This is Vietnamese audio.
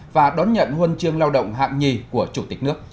và đón nhận huân chương lao động hạng nhì của chủ tịch nước